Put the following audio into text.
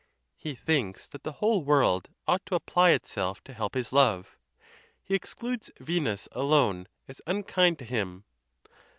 He thinks that the whole world ought to apply itself to help his love: he excludes Venus alone, as unkind to him.